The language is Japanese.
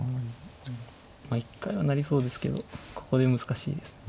まあ一回は成りそうですけどここで難しいですね。